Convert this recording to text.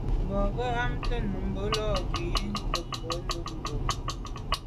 Bo ghamt’é nummb’a lo ghù numebwô num bo.